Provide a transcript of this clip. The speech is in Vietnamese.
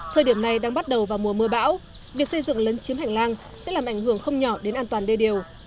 thời điểm này đang bắt đầu vào mùa mưa bão việc xây dựng lấn chiếm hành lang sẽ làm ảnh hưởng không nhỏ đến an toàn đê điều